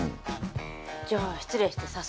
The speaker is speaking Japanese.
じゃあ失礼して早速。